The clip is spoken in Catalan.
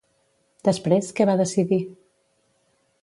Després, què va decidir?